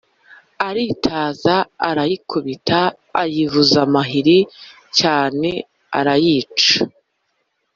Aritaza, arayikubita, ayivuza amahiri cyane, arayica